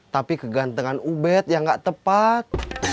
tapi kegantengan ubed yang gak tepat